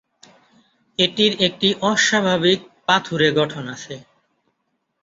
এটির একটি অস্বাভাবিক পাথুরে গঠন আছে।